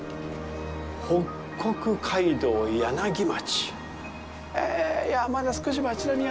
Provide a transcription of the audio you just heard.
北国街道柳町。